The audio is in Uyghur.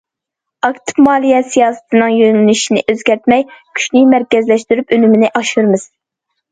ئاكتىپ مالىيە سىياسىتىنىڭ يۆنىلىشىنى ئۆزگەرتمەي، كۈچنى مەركەزلەشتۈرۈپ، ئۈنۈمنى ئاشۇرىمىز.